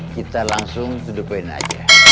kita langsung dudukin aja